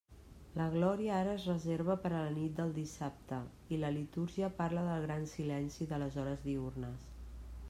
La Glòria ara es reserva per a la nit del dissabte i la litúrgia parla del gran silenci de les hores diürnes.